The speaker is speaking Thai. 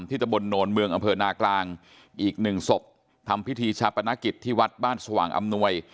ตะบนโนนเมืองอำเภอนากลางอีกหนึ่งศพทำพิธีชาปนกิจที่วัดบ้านสว่างอำนวย